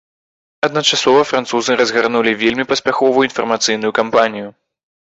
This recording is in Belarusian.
Адначасова французы разгарнулі вельмі паспяховую інфармацыйную кампанію.